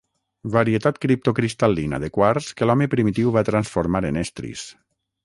Varietat criptocristal·lina de quars que l'home primitiu va transformar en estris.